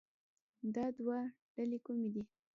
دا دوه ډلې کومې دي